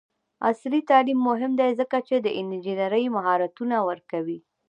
عصري تعلیم مهم دی ځکه چې د انجینرۍ مهارتونه ورکوي.